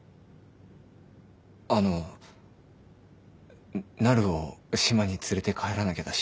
あのなるを島に連れて帰らなきゃだし。